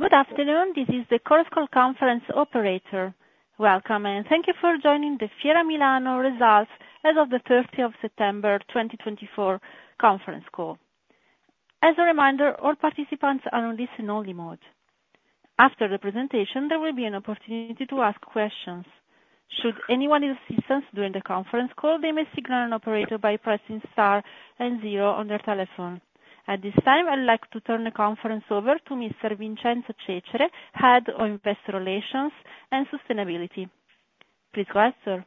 Good afternoon, this is the Chorus Call Conference Operator. Welcome, and thank you for joining the Fiera Milano results as of the 30th of September 2024 conference call. As a reminder, all participants are on listen-only mode. After the presentation, there will be an opportunity to ask questions. Should anyone need assistance during the conference call, they may signal an operator by pressing star and zero on their telephone. At this time, I'd like to turn the conference over to Mr. Vincenzo Cecere, Head of Investor Relations and Sustainability. Please go ahead, sir.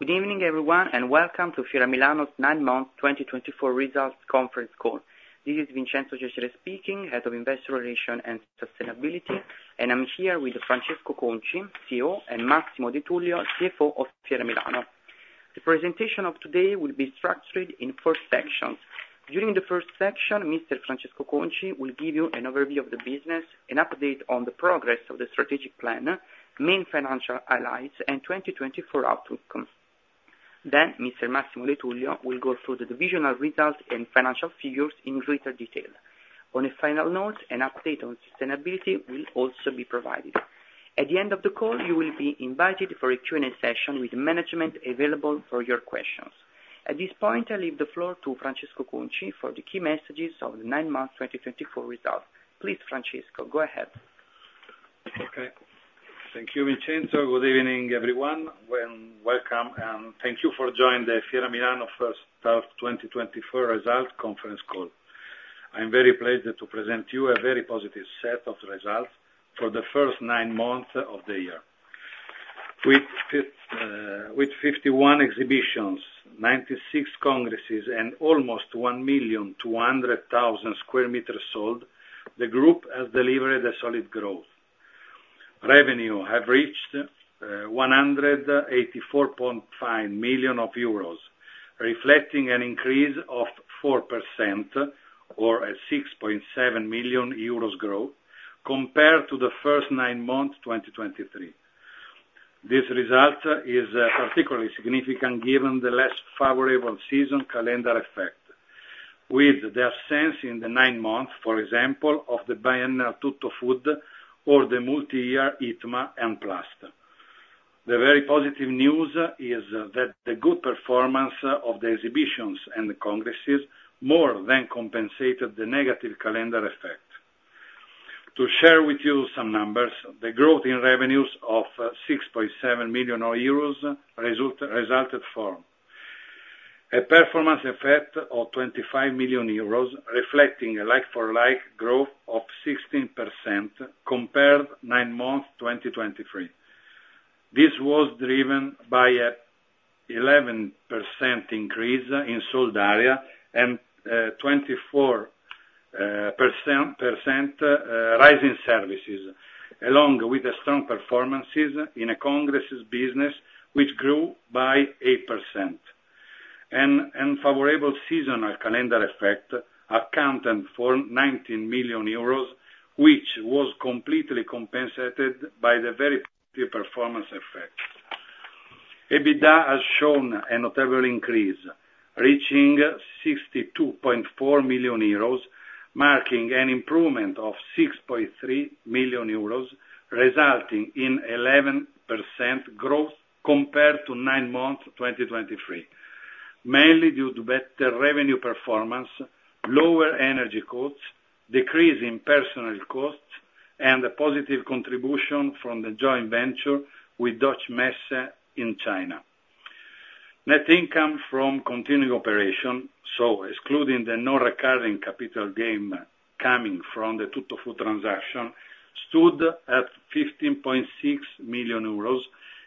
Good evening, everyone, and welcome to Fiera Milano's 9th month 2024 results conference call. This is Vincenzo Cecere speaking, Head of Investor Relations and Sustainability, and I'm here with Francesco Conci, CEO, and Massimo De Tullio, CFO of Fiera Milano. The presentation of today will be structured in four sections. During the first section, Mr. Francesco Conci will give you an overview of the business, an update on the progress of the strategic plan, main financial allies, and 2024 outlook. Mr. Massimo De Tullio will go through the divisional results and financial figures in greater detail. On a final note, an update on sustainability will also be provided. At the end of the call, you will be invited for a Q&A session with management available for your questions. At this point, I leave the floor to Francesco Conci for the key messages of the 9th month 2024 results. Please, Francesco, go ahead. Okay. Thank you, Vincenzo. Good evening, everyone, and welcome, and thank you for joining the Fiera Milano 2024 results conference call. I'm very pleased to present to you a very positive set of results for the first nine months of the year. With 51 exhibitions, 96 congresses, and almost 1,200,000 sq m sold, the group has delivered a solid growth. Revenue has reached 184.5 million euros, reflecting an increase of 4% or a 6.7 million euros growth compared to the first nine months 2023. This result is particularly significant given the less favorable season calendar effect, with the absence in the nine months, for example, of the biennial Tuttofood or the multi-year ITMA and PLUST. The very positive news is that the good performance of the exhibitions and congresses more than compensated the negative calendar effect. To share with you some numbers, the growth in revenues of 6.7 million euros resulted from a performance effect of 25 million euros, reflecting a like-for-like growth of 16% compared to nine months 2023. This was driven by an 11% increase in sold area and 24% rising services, along with strong performances in congresses business, which grew by 8%. An unfavorable seasonal calendar effect accounted for 19 million euros, which was completely compensated by the very positive performance effect. EBITDA has shown a notable increase, reaching 62.4 million euros, marking an improvement of 6.3 million euros, resulting in an 11% growth compared to nine months 2023, mainly due to better revenue performance, lower energy costs, decrease in personnel costs, and a positive contribution from the joint venture with Messe Düsseldorf in China. Net income from continuing operations, so excluding the non-recurring capital gain coming from the Tuttofood transaction, stood at 15.6 million euros,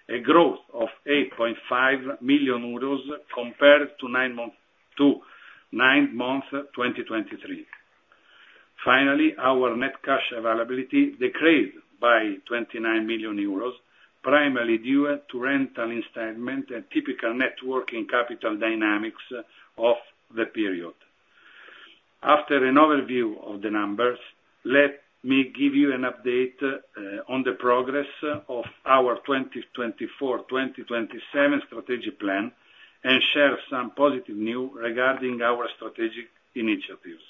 a growth of 8.5 million euros compared to nine months 2023. Finally, our net cash availability decreased by 29 million euros, primarily due to rental installment and typical working capital dynamics of the period. After an overview of the numbers, let me give you an update on the progress of our 2024-2027 strategic plan and share some positive news regarding our strategic initiatives.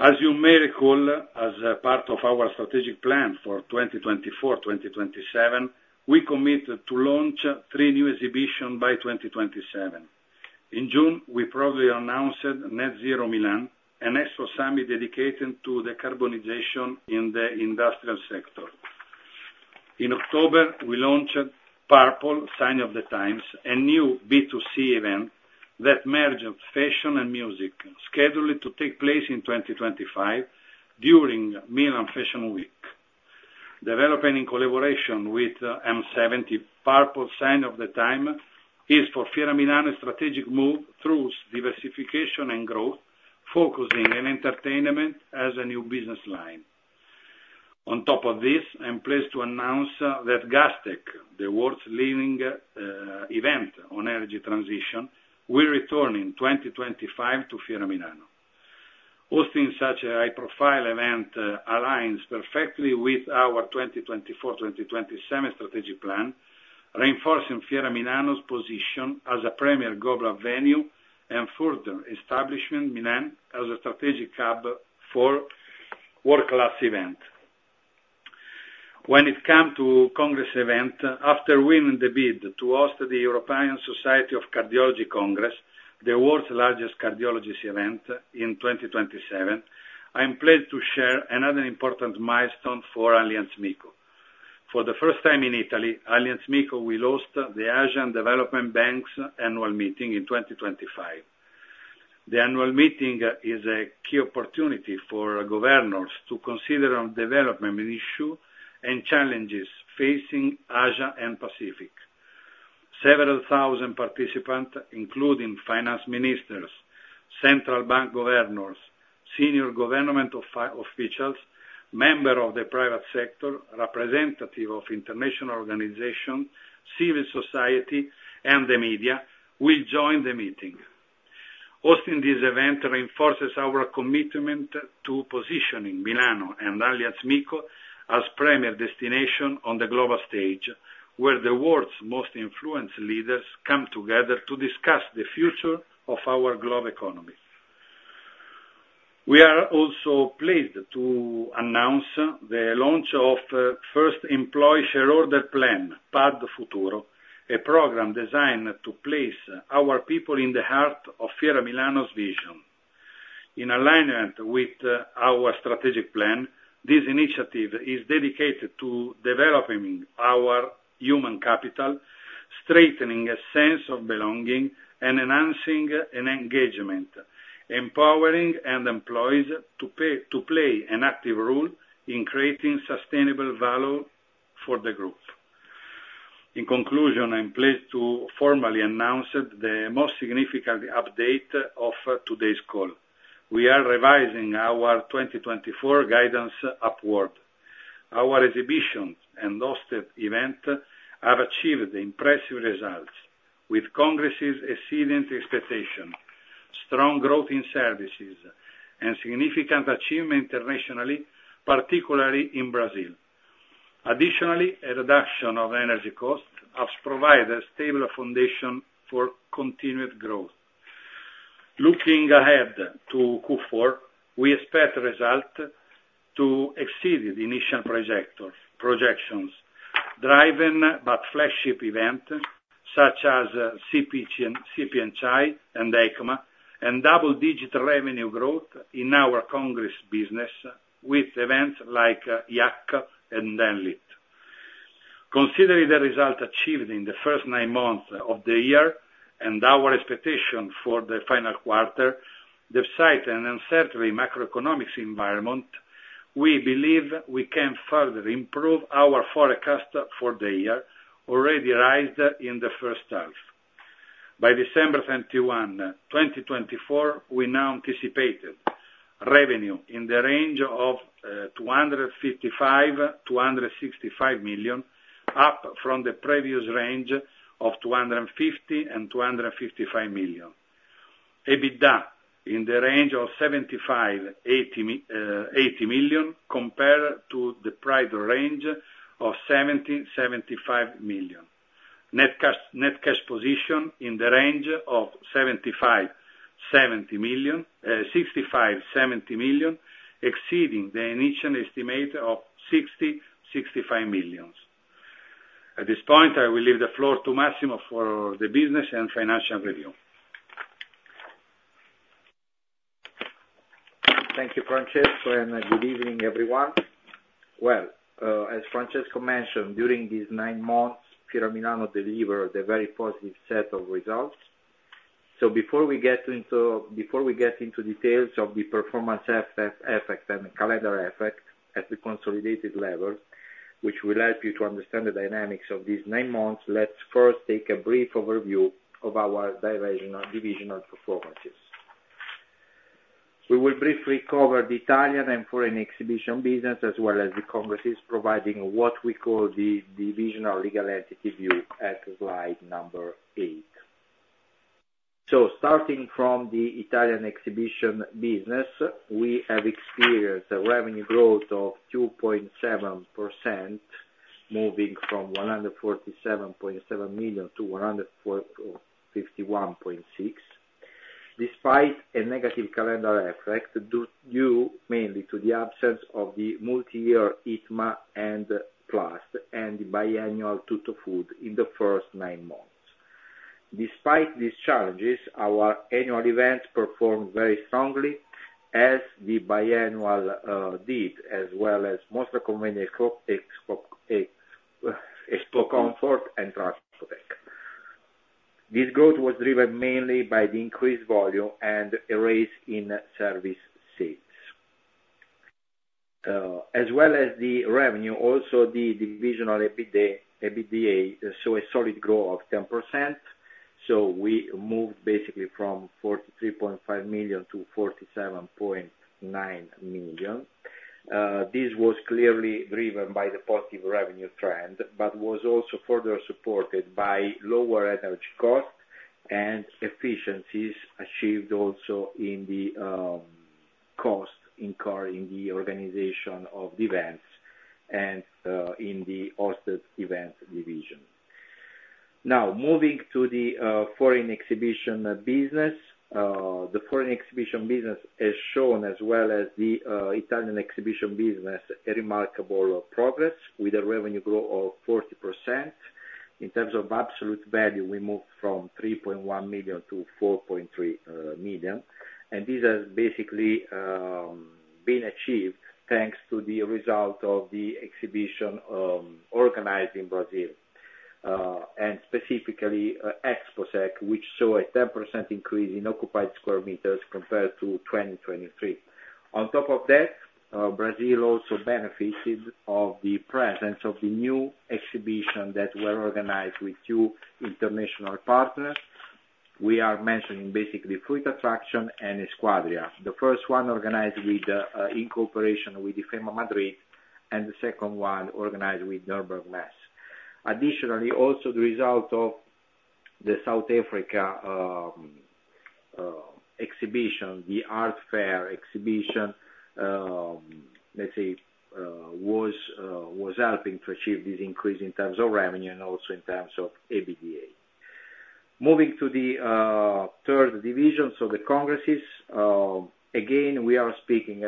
As you may recall, as part of our strategic plan for 2024-2027, we committed to launch three new exhibitions by 2027. In June, we proudly announced Net Zero Milan, an expo summit dedicated to decarbonization in the industrial sector. In October, we launched Purple, Sign of the Times, a new B2C event that merges fashion and music, scheduled to take place in 2025 during Milan Fashion Week. Developing in collaboration with M70, Purple, Sign of the Time is for Fiera Milano's strategic move through diversification and growth, focusing on entertainment as a new business line. On top of this, I'm pleased to announce that Gastech, the world's leading event on energy transition, will return in 2025 to Fiera Milano. Hosting such a high-profile event aligns perfectly with our 2024-2027 strategic plan, reinforcing Fiera Milano's position as a premier global venue and further establishing Milan as a strategic hub for world-class events. When it comes to congress events, after winning the bid to host the European Society of Cardiology Congress, the world's largest cardiology event in 2027, I'm pleased to share another important milestone for Allianz MiCo. For the first time in Italy, Allianz MiCo will host the Asian Development Bank's annual meeting in 2025. The annual meeting is a key opportunity for governors to consider development issues and challenges facing Asia and the Pacific. Several thousand participants, including finance ministers, central bank governors, senior government officials, members of the private sector, representatives of international organizations, civil society, and the media, will join the meeting. Hosting this event reinforces our commitment to positioning Milano and Allianz MiCo as premier destinations on the global stage, where the world's most influential leaders come together to discuss the future of our global economy. We are also pleased to announce the launch of the first employee shareholder plan, PAD Futuro, a program designed to place our people in the heart of Fiera Milano's vision. In alignment with our strategic plan, this initiative is dedicated to developing our human capital, strengthening a sense of belonging, and enhancing engagement, empowering employees to play an active role in creating sustainable value for the group. In conclusion, I'm pleased to formally announce the most significant update of today's call. We are revising our 2024 guidance upward. Our exhibitions and hosted events have achieved impressive results, with congresses exceeding expectations, strong growth in services, and significant achievements internationally, particularly in Brazil. Additionally, a reduction of energy costs has provided a stable foundation for continued growth. Looking ahead to Q4, we expect results to exceed the initial projections, driving flagship events such as CP&CHI and EICMA, and double-digit revenue growth in our congress business with events like IACCA and DENLIT. Considering the results achieved in the first nine months of the year and our expectations for the final quarter, despite an uncertain macroeconomic environment, we believe we can further improve our forecast for the year, already raised in the first half. By December 21, 2024, we now anticipate revenue in the range of 255 million-265 million, up from the previous range of 250 million-255 million. EBITDA in the range of 75 million-80 million compared to the prior range of 70 million-75 million. Net cash position in the range of 75 million-70 million, exceeding the initial estimate of 60 million-65 million. At this point, I will leave the floor to Massimo for the business and financial review. Thank you, Francesco, and good evening, everyone. As Francesco mentioned, during these nine months, Fiera Milano delivered a very positive set of results. Before we get into details of the performance effect and the calendar effect at the consolidated level, which will help you to understand the dynamics of these nine months, let's first take a brief overview of our divisional performances. We will briefly cover the Italian and foreign exhibition business, as well as the congresses, providing what we call the divisional legal entity view at slide number eight. Starting from the Italian exhibition business, we have experienced a revenue growth of 2.7%, moving from 147.7 million-151.6 million, despite a negative calendar effect due mainly to the absence of the multi-year ITMA and PLUST and the biennial Tuttofood in the first nine months. Despite these challenges, our annual events performed very strongly, as the biennial did, as well as Mostra Convegno Expocomfort and TransferTech. This growth was driven mainly by the increased volume and raise in service seats. As well as the revenue, also the divisional EBITDA saw a solid growth of 10%. We moved basically from 43.5 million-47.9 million. This was clearly driven by the positive revenue trend, but was also further supported by lower energy costs and efficiencies achieved also in the costs incurred in the organization of the events and in the hosted event division. Now, moving to the foreign exhibition business, the foreign exhibition business has shown, as well as the Italian exhibition business, a remarkable progress with a revenue growth of 40%. In terms of absolute value, we moved from 3.1 million-4.3 million. This has basically been achieved thanks to the result of the exhibition organized in Brazil, and specifically EXPOSEC, which saw a 10% increase in occupied square meters compared to 2023. On top of that, Brazil also benefited from the presence of the new exhibitions that were organized with two international partners. We are mentioning basically Fruit Attraction and Esquadria, the first one organized in cooperation with IFEMA Madrid, and the second one organized with NürnbergMesse. Additionally, also the result of the South Africa exhibition, the Art Fair exhibition, let's say, was helping to achieve this increase in terms of revenue and also in terms of EBITDA. Moving to the third division, so the congresses, again, we are speaking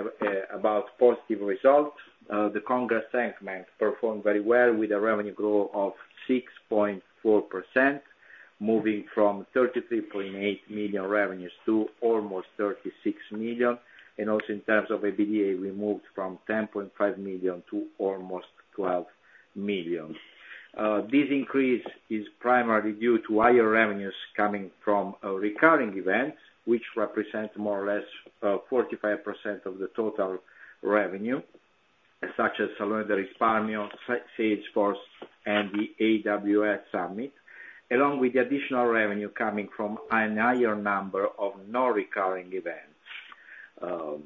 about positive results. The congress segment performed very well with a revenue growth of 6.4%, moving from 33.8 million revenues to almost 36 million. Also in terms of EBITDA, we moved from 10.5 million to almost 12 million. This increase is primarily due to higher revenues coming from recurring events, which represent more or less 45% of the total revenue, such as Salone del Risparmio, Salesforce, and the AWS Summit, along with the additional revenue coming from a higher number of non-recurring events.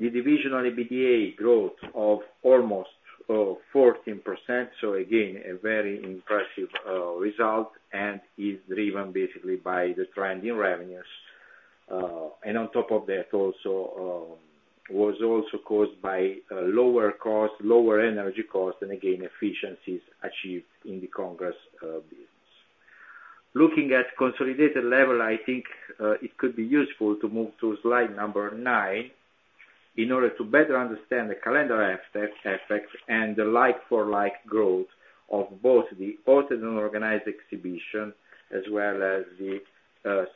The divisional EBITDA growth of almost 14%, so again, a very impressive result and is driven basically by the trend in revenues. On top of that, it was also caused by lower costs, lower energy costs, and again, efficiencies achieved in the congress business. Looking at consolidated level, I think it could be useful to move to slide number nine in order to better understand the calendar effect and the like-for-like growth of both the hosted and organized exhibition, as well as the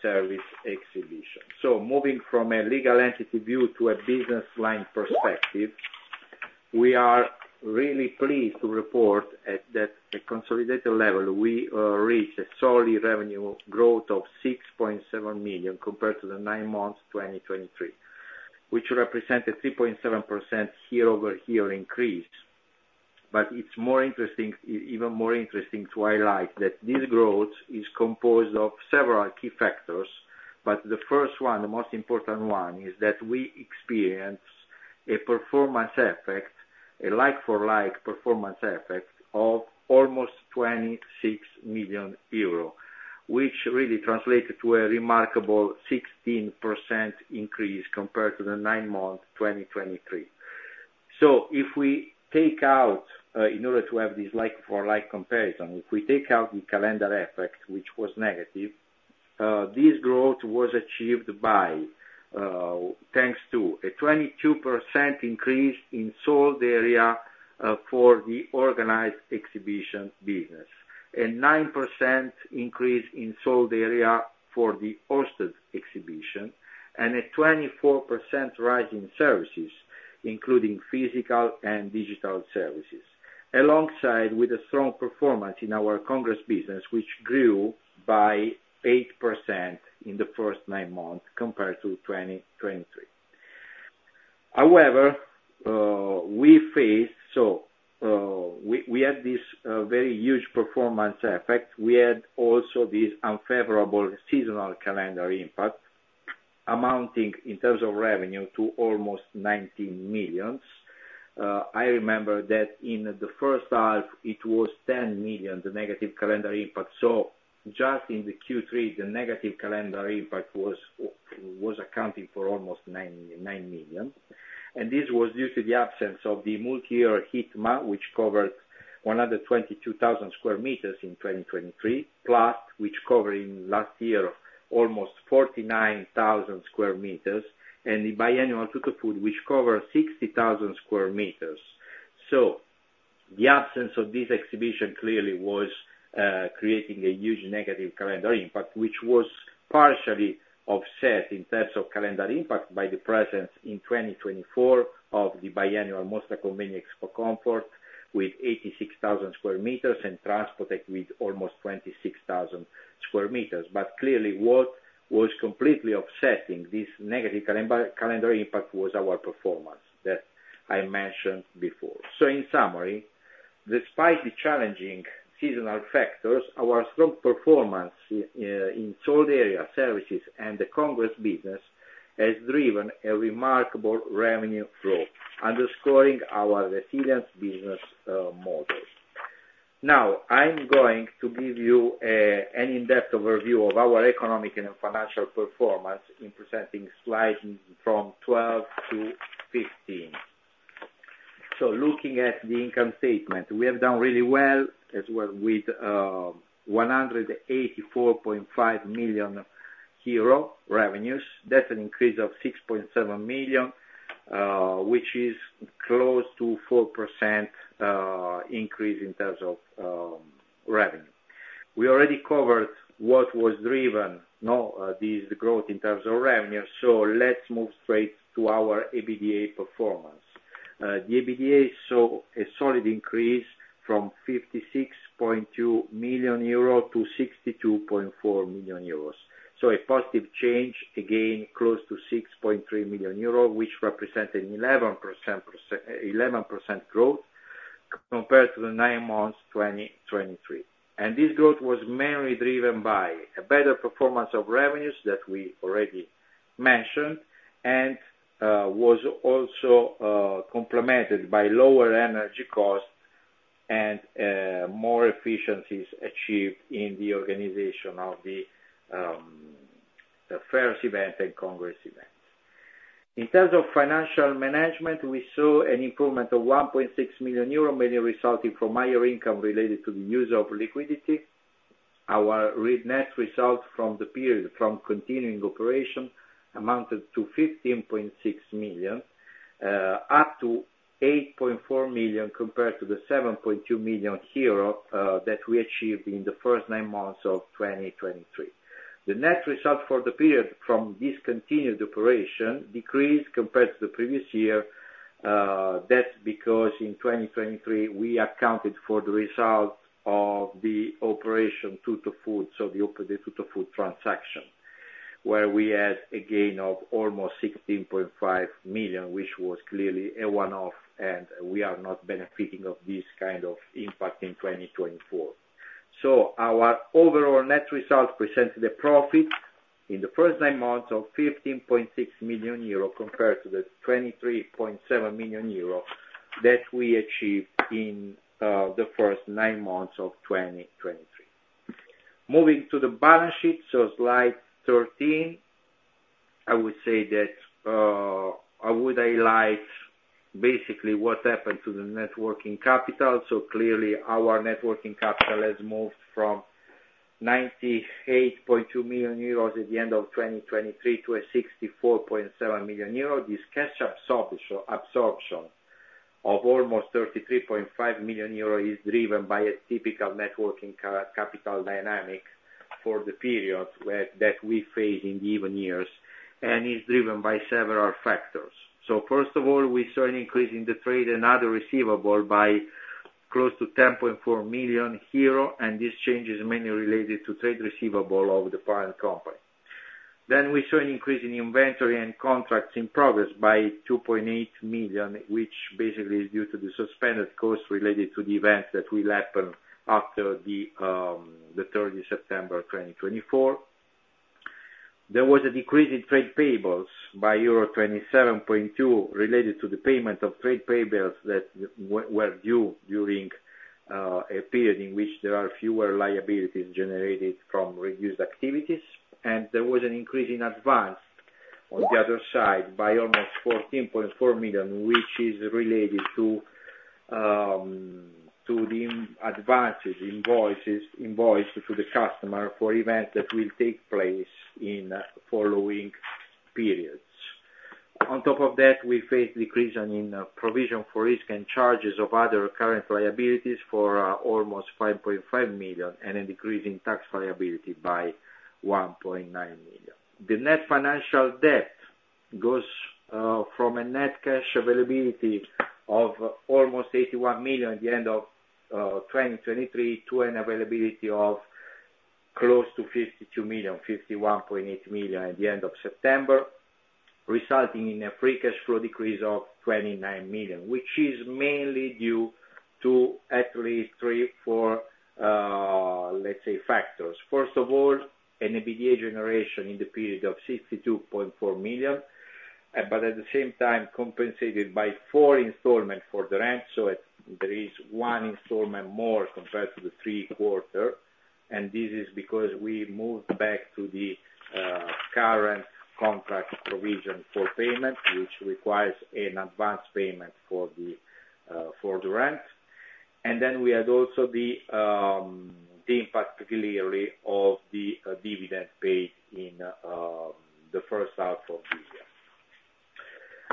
service exhibition. Moving from a legal entity view to a business line perspective, we are really pleased to report that at consolidated level, we reached a solid revenue growth of 6.7 million compared to the nine months 2023, which represented a 3.7% year-over-year increase. It is even more interesting to highlight that this growth is composed of several key factors. The first one, the most important one, is that we experienced a performance effect, a like-for-like performance effect of almost 26 million euro, which really translated to a remarkable 16% increase compared to the nine months 2023. If we take out, in order to have this like-for-like comparison, if we take out the calendar effect, which was negative, this growth was achieved thanks to a 22% increase in sold area for the organized exhibition business, a 9% increase in sold area for the hosted exhibition, and a 24% rise in services, including physical and digital services, alongside a strong performance in our congress business, which grew by 8% in the first nine months compared to 2023. However, we faced—we had this very huge performance effect. We had also this unfavorable seasonal calendar impact, amounting in terms of revenue to almost 19 million. I remember that in the first half, it was 10 million, the negative calendar impact. Just in Q3, the negative calendar impact was accounting for almost 9 million. This was due to the absence of the multi-year ITMA, which covered 122,000 sq m in 2023, PLUST, which covered last year almost 49,000 sq m, and the biennial Tuttfood, which covered 60,000 sq m. The absence of this exhibition clearly was creating a huge negative calendar impact, which was partially offset in terms of calendar impact by the presence in 2024 of the biennial Mostra Convegno Expocomfort with 86,000 sq m and TransferTech with almost 26,000 sq m. What was completely offsetting this negative calendar impact was our performance that I mentioned before. In summary, despite the challenging seasonal factors, our strong performance in sold area, services, and the congress business has driven a remarkable revenue growth, underscoring our resilient business model. Now, I'm going to give you an in-depth overview of our economic and financial performance in presenting slides from 12-15. Looking at the income statement, we have done really well, as well, with 184.5 million euro revenues. That is an increase of 6.7 million, which is close to a 4% increase in terms of revenue. We already covered what was driven—no, this is the growth in terms of revenue. Let's move straight to our EBITDA performance. The EBITDA saw a solid increase from 56.2 million-62.4 million euros. A positive change, again, close to 6.3 million euros, which represented an 11% growth compared to the nine months 2023. This growth was mainly driven by a better performance of revenues that we already mentioned and was also complemented by lower energy costs and more efficiencies achieved in the organization of the fairs event and congress events. In terms of financial management, we saw an improvement of 1.6 million euro, mainly resulting from higher income related to the use of liquidity. Our net result from the period from continuing operation amounted to 15.6 million, up to 8.4 million compared to the 7.2 million euro that we achieved in the first nine months of 2023. The net result for the period from discontinued operation decreased compared to the previous year. That is because in 2023, we accounted for the result of the operation Tuttofood, so the Tuttofood transaction, where we had a gain of almost 16.5 million, which was clearly a one-off, and we are not benefiting from this kind of impact in 2024. Our overall net result presented a profit in the first nine months of 15.6 million euro compared to the 23.7 million euro that we achieved in the first nine months of 2023. Moving to the balance sheet, slide 13, I would say that I would highlight basically what happened to the working capital. Clearly, our working capital has moved from 98.2 million euros at the end of 2023 to 64.7 million euro. This cash absorption of almost 33.5 million euro is driven by a typical working capital dynamic for the period that we face in the even years and is driven by several factors. First of all, we saw an increase in the trade and other receivable by close to 10.4 million euro, and this change is mainly related to trade receivable of the parent company. We saw an increase in inventory and contracts in progress by 2.8 million, which basically is due to the suspended costs related to the events that will happen after the 30th of September 2024. There was a decrease in trade payables by euro 27.2 million related to the payment of trade payables that were due during a period in which there are fewer liabilities generated from reduced activities. There was an increase in advance on the other side by almost 14.4 million, which is related to the advances invoiced to the customer for events that will take place in following periods. On top of that, we faced a decrease in provision for risk and charges of other current liabilities for almost 5.5 million and a decrease in tax liability by 1.9 million. The net financial debt goes from a net cash availability of almost 81 million at the end of 2023 to an availability of close to 52 million, 51.8 million at the end of September, resulting in a free cash flow decrease of 29 million, which is mainly due to at least three, four, let's say, factors. First of all, an EBITDA generation in the period of 62.4 million, but at the same time compensated by four installments for the rent. There is one installment more compared to the three-quarter. This is because we moved back to the current contract provision for payment, which requires an advance payment for the rent. We had also the impact clearly of the dividend paid in the first half of the year.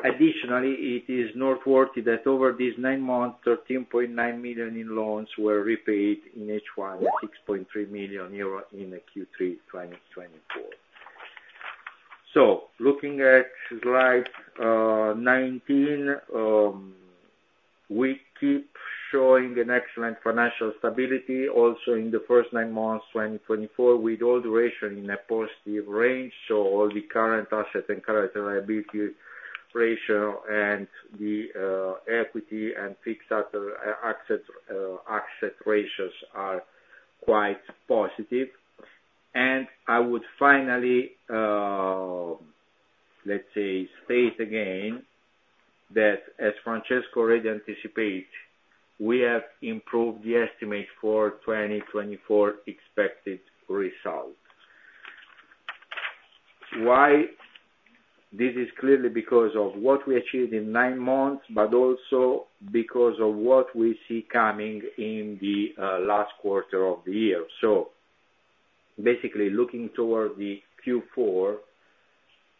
Additionally, it is noteworthy that over these nine months, 13.9 million in loans were repaid in H1 and 6.3 million euro in Q3 2024. Looking at slide 19, we keep showing an excellent financial stability also in the first nine months 2024, with all duration in a positive range. All the current asset and current liability ratio and the equity and fixed asset ratios are quite positive. I would finally, let's say, state again that, as Francesco already anticipated, we have improved the estimate for 2024 expected results. Why? This is clearly because of what we achieved in nine months, but also because of what we see coming in the last quarter of the year. Basically, looking toward the Q4,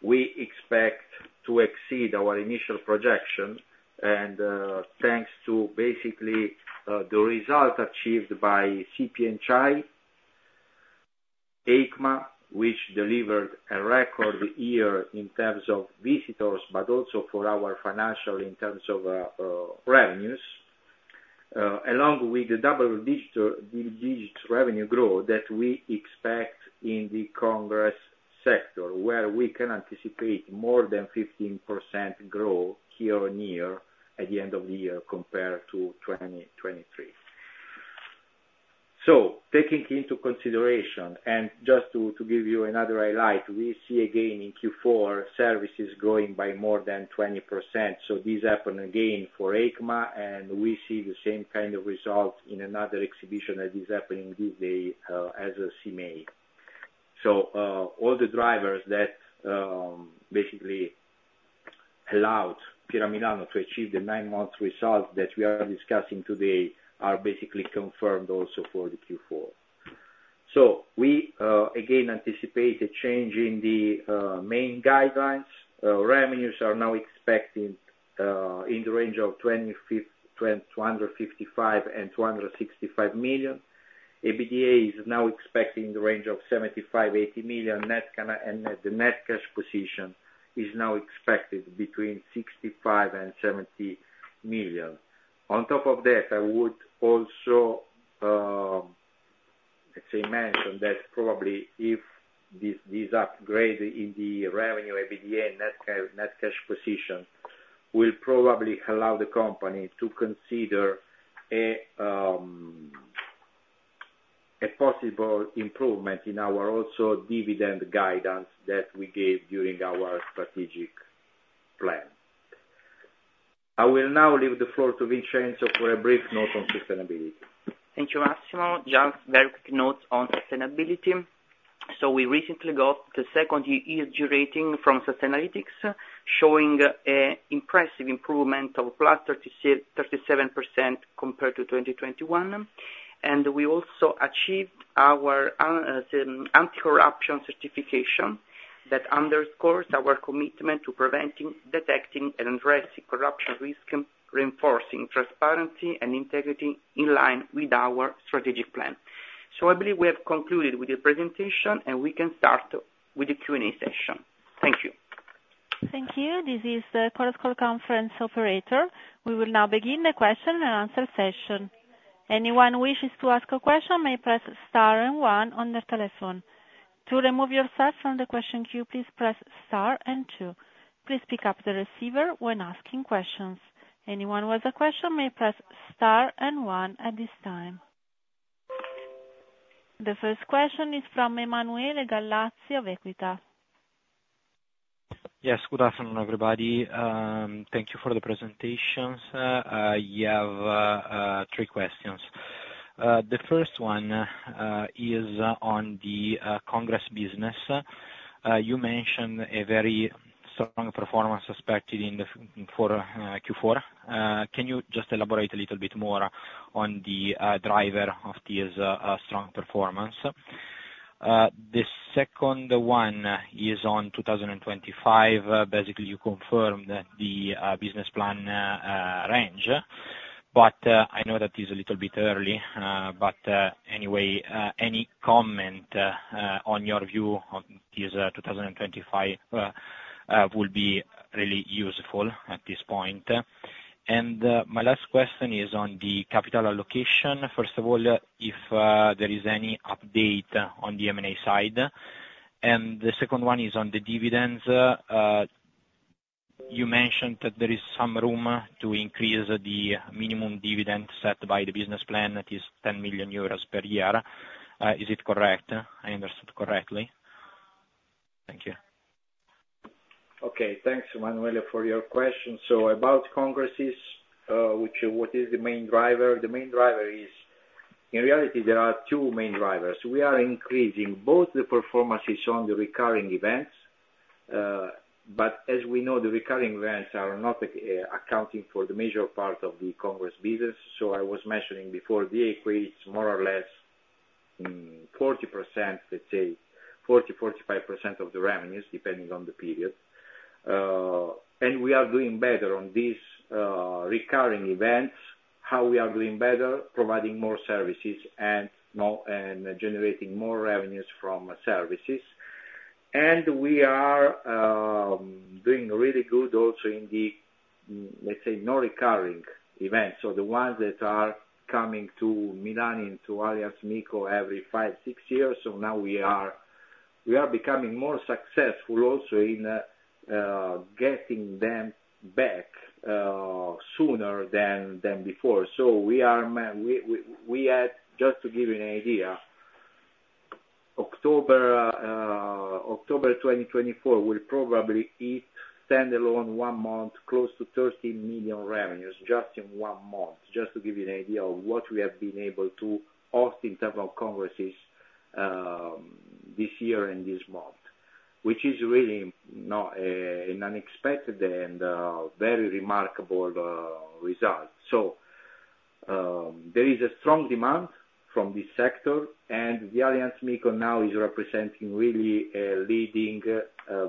we expect to exceed our initial projection. Thanks to basically the result achieved by CP&CHI, EICMA, which delivered a record year in terms of visitors, but also for our financial in terms of revenues, along with the double-digit revenue growth that we expect in the congress sector, where we can anticipate more than 15% growth here or near at the end of the year compared to 2023. Taking into consideration, and just to give you another highlight, we see again in Q4 services growing by more than 20%. This happened again for EICMA, and we see the same kind of result in another exhibition that is happening these days as of May. All the drivers that basically allowed Fiera Milano to achieve the nine-month result that we are discussing today are basically confirmed also for the Q4. We again anticipate a change in the main guidelines. Revenues are now expected in the range of 255 million-265 million. EBITDA is now expected in the range of 75 million-80 million. The net cash position is now expected between 65 million and 70 million. On top of that, I would also, let's say, mention that probably if this upgrade in the revenue, EBITDA, and net cash position will probably allow the company to consider a possible improvement in our also dividend guidance that we gave during our strategic plan. I will now leave the floor to Vincenzo for a brief note on sustainability. Thank you, Massimo. Just very quick note on sustainability. We recently got the second year rating from Sustainalytics, showing an impressive improvement of +37% compared to 2021. We also achieved our anti-corruption certification that underscores our commitment to preventing, detecting, and addressing corruption risk, reinforcing transparency and integrity in line with our strategic plan. I believe we have concluded with the presentation, and we can start with the Q&A session. Thank you. Thank you. This is the code call conference operator. We will now begin the question and answer session. Anyone who wishes to ask a question may press star and one on their telephone. To remove yourself from the question queue, please press star and two. Please pick up the receiver when asking questions. Anyone with a question may press star and one at this time. The first question is from Emanuele Gallazzi of EQUITA. Yes. Good afternoon, everybody. Thank you for the presentations. I have three questions. The first one is on the congress business. You mentioned a very strong performance expected in Q4. Can you just elaborate a little bit more on the driver of this strong performance? The second one is on 2025. Basically, you confirmed the business plan range, but I know that is a little bit early. Anyway, any comment on your view of this 2025 will be really useful at this point. My last question is on the capital allocation. First of all, if there is any update on the M&A side. The second one is on the dividends. You mentioned that there is some room to increase the minimum dividend set by the business plan that is 10 million euros per year. Is it correct? I understood correctly. Thank you. Okay. Thanks, Emanuele, for your question. About congresses, what is the main driver? The main driver is, in reality, there are two main drivers. We are increasing both the performances on the recurring events, but as we know, the recurring events are not accounting for the major part of the congress business. I was mentioning before the equity, it is more or less 40%, let's say, 40%-45% of the revenues, depending on the period. We are doing better on these recurring events, how we are doing better, providing more services and generating more revenues from services. We are doing really good also in the, let's say, non-recurring events. The ones that are coming to Milan, into Allianz MiCo every five, six years. Now we are becoming more successful also in getting them back sooner than before. We add, just to give you an idea, October 2024 will probably be, stand alone one month, close to 30 million revenues just in one month, just to give you an idea of what we have been able to host in terms of congresses this year and this month, which is really an unexpected and very remarkable result. There is a strong demand from this sector, and the Allianz MiCo now is representing really a leading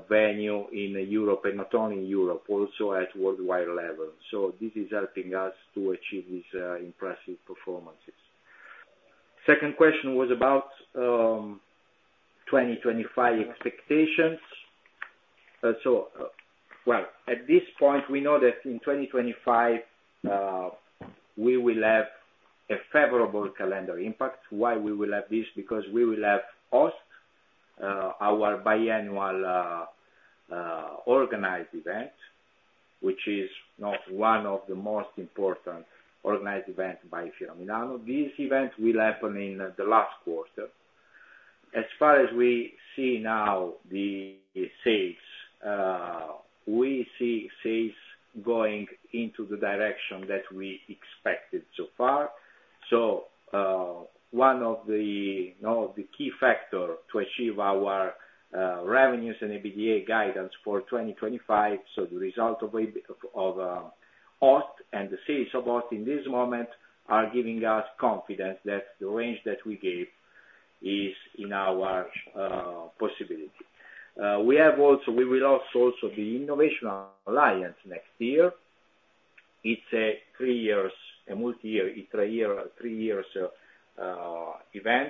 venue in Europe and not only in Europe, also at worldwide level. This is helping us to achieve these impressive performances. The second question was about 2025 expectations. At this point, we know that in 2025, we will have a favorable calendar impact. Why will we have this? Because we will host our biennial organized event, which is one of the most important organized events by Fiera Milano. This event will happen in the last quarter. As far as we see now, the sales, we see sales going into the direction that we expected so far. One of the key factors to achieve our revenues and EBITDA guidance for 2025, the result of Host and the sales of Host in this moment are giving us confidence that the range that we gave is in our possibility. We will also be Innovation Alliance next year. It's a three-year, a multi-year, a three-year event.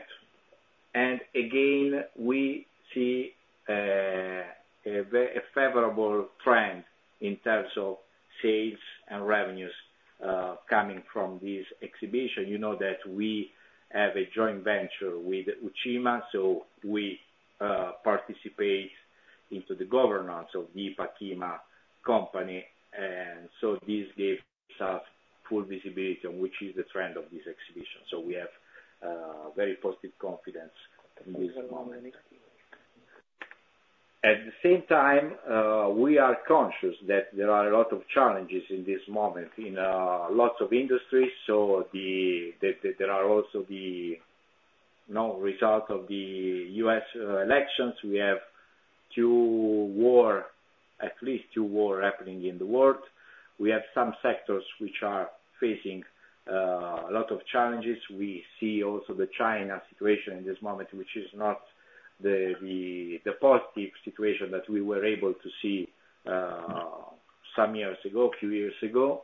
Again, we see a favorable trend in terms of sales and revenues coming from this exhibition. You know that we have a joint venture with IPACK-IMA, so we participate into the governance of the IPACK-IMA company. This gives us full visibility on which is the trend of this exhibition. We have very positive confidence in this moment. At the same time, we are conscious that there are a lot of challenges in this moment in lots of industries. There are also the result of the U.S. elections. We have two wars, at least two wars happening in the world. We have some sectors which are facing a lot of challenges. We see also the China situation in this moment, which is not the positive situation that we were able to see some years ago, a few years ago.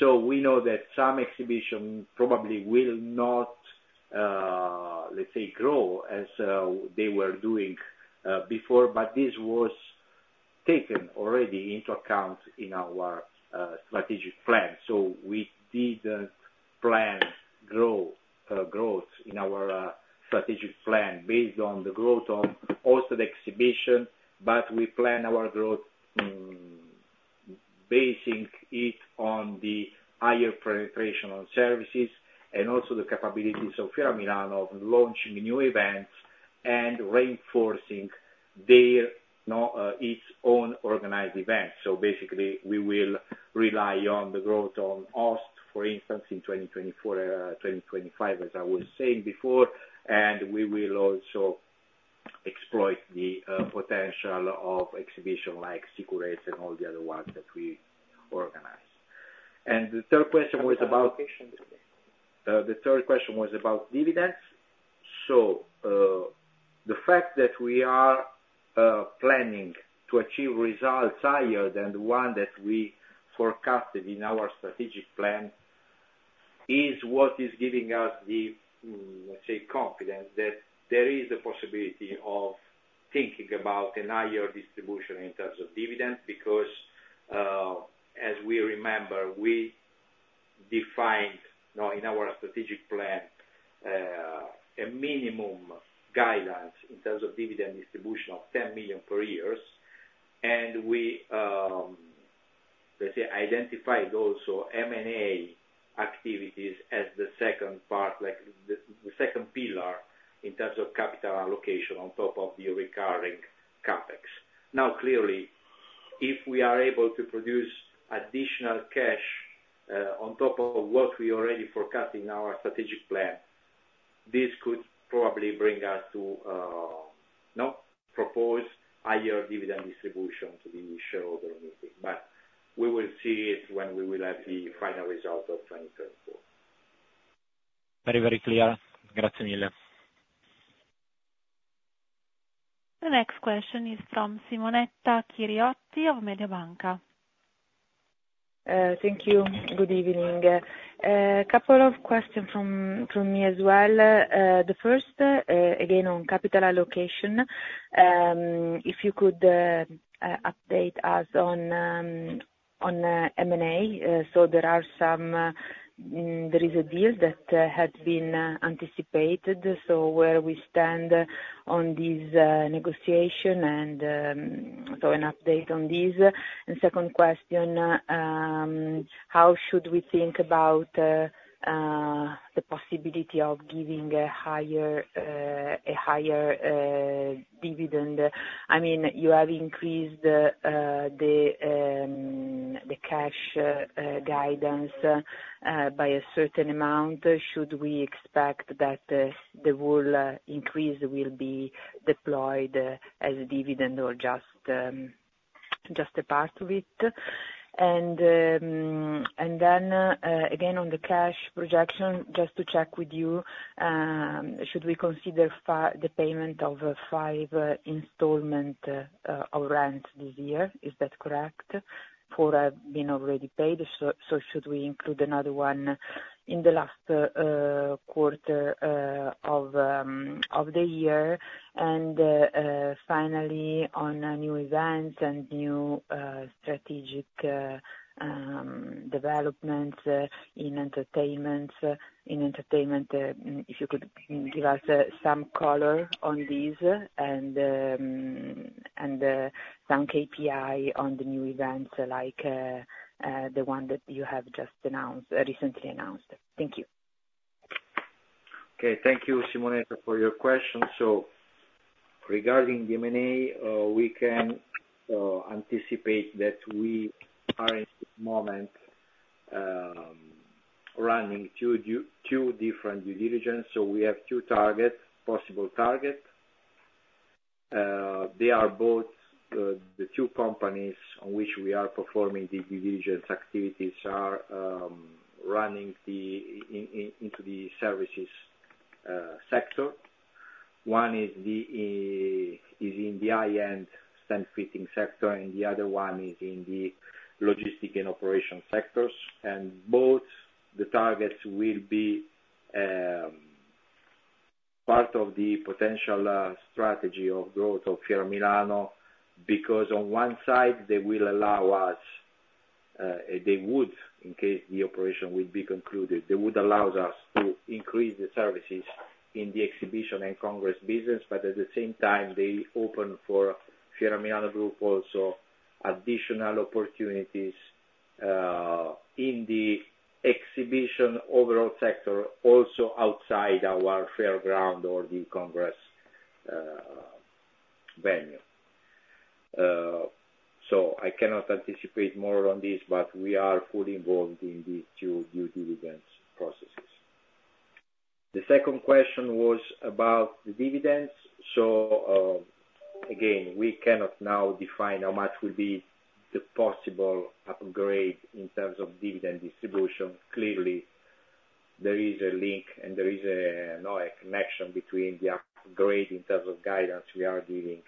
We know that some exhibition probably will not, let's say, grow as they were doing before, but this was taken already into account in our strategic plan. We did not plan growth in our strategic plan based on the growth of also the exhibition, but we plan our growth basing it on the higher penetration on services and also the capabilities of Fiera Milano of launching new events and reinforcing its own organized events. Basically, we will rely on the growth on host, for instance, in 2024 and 2025, as I was saying before. We will also exploit the potential of exhibitions like Sicurez and all the other ones that we organize. The third question was about. The third question was about dividends. The fact that we are planning to achieve results higher than the one that we forecasted in our strategic plan is what is giving us the, let's say, confidence that there is a possibility of thinking about a higher distribution in terms of dividend because, as we remember, we defined in our strategic plan a minimum guidance in terms of dividend distribution of 10 million per year. We, let's say, identified also M&A activities as the second part, like the second pillar in terms of capital allocation on top of the recurring capex. Now, clearly, if we are able to produce additional cash on top of what we already forecast in our strategic plan, this could probably bring us to propose higher dividend distribution to the initial order of meeting. We will see it when we will have the final result of 2024. Very, very clear. Grazie mille. The next question is from Simonetta Chiriotti of Mediabanca. Thank you. Good evening. A couple of questions from me as well. The first, again, on capital allocation, if you could update us on M&A. There is a deal that has been anticipated. Where do we stand on this negotiation and an update on this. Second question, how should we think about the possibility of giving a higher dividend? I mean, you have increased the cash guidance by a certain amount. Should we expect that the rule increase will be deployed as dividend or just a part of it? Again, on the cash projection, just to check with you, should we consider the payment of five installments of rent this year? Is that correct? Four have been already paid. Should we include another one in the last quarter of the year? Finally, on new events and new strategic developments in entertainment, in entertainment, if you could give us some color on these and some KPI on the new events like the one that you have just recently announced. Thank you. Okay. Thank you, Simonetta, for your question. Regarding the M&A, we can anticipate that we are in this moment running two different due diligence. We have two targets, possible targets. Both the two companies on which we are performing the due diligence activities are running into the services sector. One is in the high-end stand fitting sector, and the other one is in the logistic and operation sectors. Both the targets will be part of the potential strategy of growth of Fiera Milano because on one side, they will allow us, they would, in case the operation would be concluded, they would allow us to increase the services in the exhibition and congress business. At the same time, they open for Fiera Milano Group also additional opportunities in the exhibition overall sector, also outside our fairground or the congress venue. I cannot anticipate more on this, but we are fully involved in these two due diligence processes. The second question was about the dividends. Again, we cannot now define how much will be the possible upgrade in terms of dividend distribution. Clearly, there is a link and there is a connection between the upgrade in terms of guidance we are giving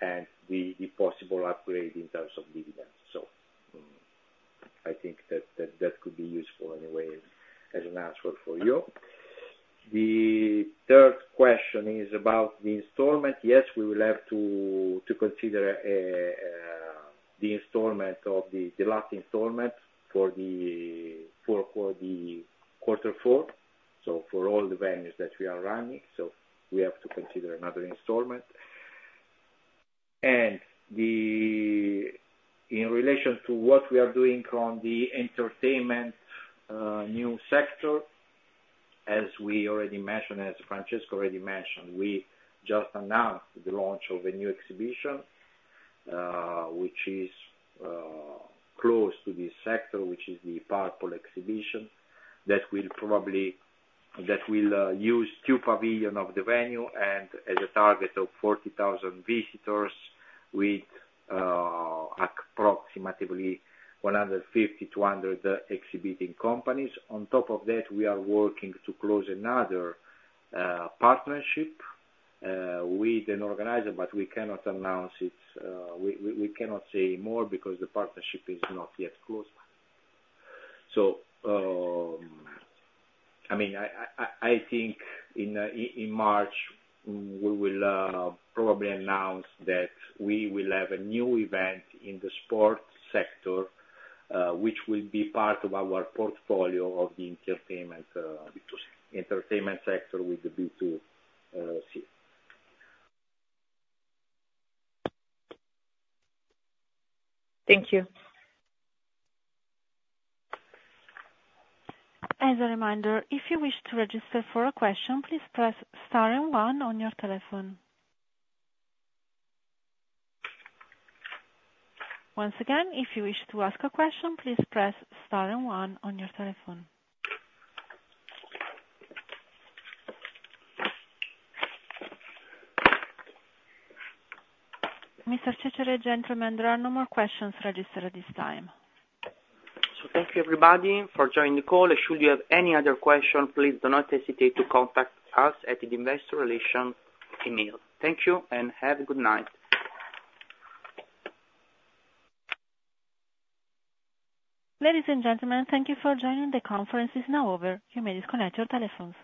and the possible upgrade in terms of dividends. I think that could be useful anyway as an answer for you. The third question is about the installment. Yes, we will have to consider the installment of the last installment for quarter four. For all the venues that we are running, we have to consider another installment. In relation to what we are doing on the entertainment new sector, as we already mentioned, as Francesco already mentioned, we just announced the launch of a new exhibition, which is close to this sector, which is the PowerPoint exhibition that will probably use two pavilions of the venue and has a target of 40,000 visitors with approximately 150-200 exhibiting companies. On top of that, we are working to close another partnership with an organizer, but we cannot announce it. We cannot say more because the partnership is not yet closed. I mean, I think in March, we will probably announce that we will have a new event in the sports sector, which will be part of our portfolio of the entertainment sector with the B2C. Thank you. As a reminder, if you wish to register for a question, please press star and one on your telephone. Once again, if you wish to ask a question, please press star and one on your telephone. Mr. Cecere, gentlemen, there are no more questions registered at this time. Thank you, everybody, for joining the call. If you should have any other questions, please do not hesitate to contact us at the investor relation email. Thank you and have a good night. Ladies and gentlemen, thank you for joining. The conference is now over. You may disconnect your telephones.